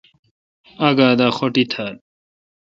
آگہ دا خوٹی تھال۔